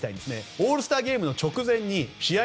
オールスターゲームの直前試合